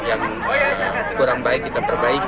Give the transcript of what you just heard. yang kurang baik kita perbaiki